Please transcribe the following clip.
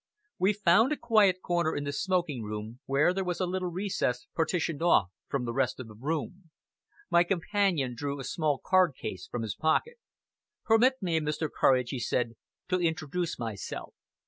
We found a quiet corner in the smoking room, where there was a little recess partitioned off from the rest of the room. My companion drew a small card case from his pocket. "Permit me, Mr. Courage," he said, "to introduce myself.